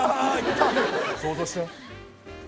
想像して。